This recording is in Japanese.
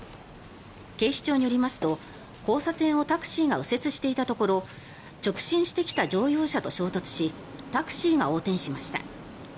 警視庁によりますと交差点をタクシーが右折していたところ直進してきた乗用車と衝突しタクシーが横転しました。